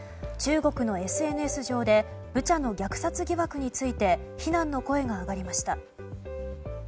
中国のＳＮＳ上でブチャの虐殺疑惑について非難の声が上がりました。